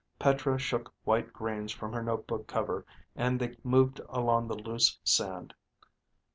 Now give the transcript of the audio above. Petra shook white grains from her notebook cover and they moved along the loose sand.